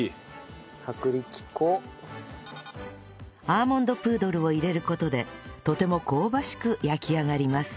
アーモンドプードルを入れる事でとても香ばしく焼き上がります